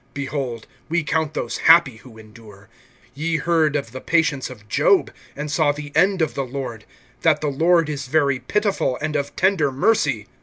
(11)Behold, we count those happy who endure. Ye heard of the patience of Job, and saw the end of the Lord[5:11]; that the Lord is very pitiful, and of tender mercy.